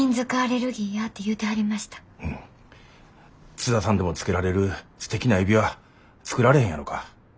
津田さんでも着けられるすてきな指輪作られへんやろか？